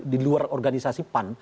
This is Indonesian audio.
di luar organisasi pan